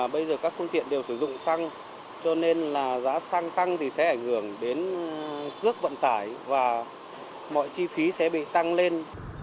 bây giờ các phương tiện đều sử dụng xăng cho nên là giá xăng tăng thì sẽ ảnh hưởng đến cước vận tải và mọi chi phí sẽ bị tăng lên